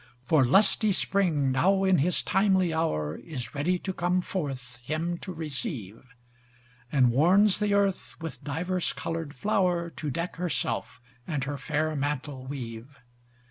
For lusty spring now in his timely hour, Is ready to come forth him to receive; And warns the Earth with diverse colored flower, To deck herself, and her fair mantle weave.